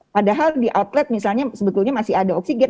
padahal di outlet misalnya sebetulnya masih ada oksigen